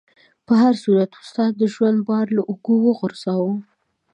په هر صورت استاد د ژوند بار له اوږو وغورځاوه.